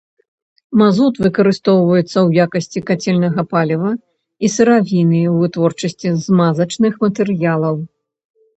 Мазут выкарыстоўваецца ў якасці кацельнага паліва і сыравіны ў вытворчасці змазачных матэрыялаў.